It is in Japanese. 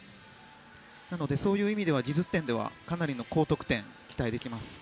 そういう意味では技術点ではかなりの高得点が期待できますね。